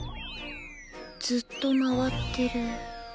ずっと回ってる。